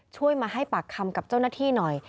ช่วยมาให้ปากคำกับเจ้าหน้าที่หน่อย